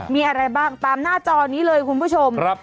มีอะไรบ้างตามหน้าจอนี้เลยคุณผู้ชม